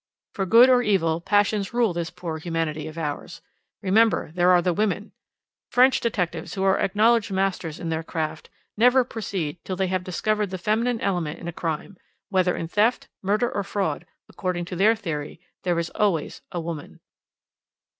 For good or evil passions rule this poor humanity of ours. Remember, there are the women! French detectives, who are acknowledged masters in their craft, never proceed till after they have discovered the feminine element in a crime; whether in theft, murder, or fraud, according to their theory, there is always a woman.